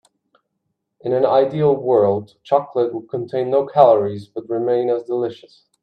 In an ideal world, chocolate would contain no calories but remain as delicious.